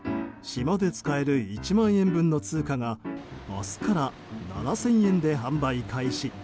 島で使える１万円分の通貨が明日から７０００円で販売開始。